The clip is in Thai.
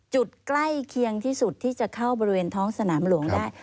ใกล้เคียงที่สุดที่จะเข้าบริเวณท้องสนามหลวงได้